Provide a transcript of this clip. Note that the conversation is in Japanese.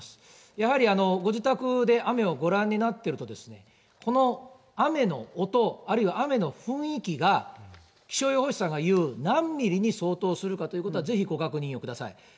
やはりご自宅で雨をご覧なっていると、この雨の音、あるいは雨の雰囲気が、気象予報士さんが言う、何ミリに相当するかということはぜひご確認ください。